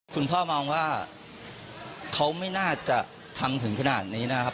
คุณพ่อมองว่าเขาไม่น่าจะทำถึงขนาดนี้นะครับ